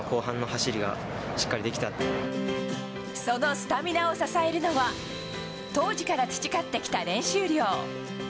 そのスタミナを支えるのは当時から培ってきた練習量。